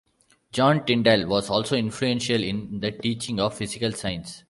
John Tyndall was also influential in the teaching of physical science.